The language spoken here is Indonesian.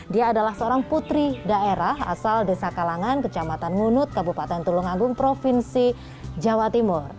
dia adalah seorang putri daerah asal desa kalangan kecamatan ngunut kabupaten tulung agung provinsi jawa timur